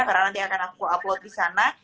karena nanti akan aku upload disana